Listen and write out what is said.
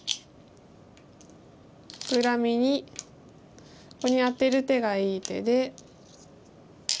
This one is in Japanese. フクラミにここにアテる手がいい手で。